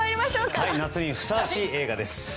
夏にふさわしい映画です。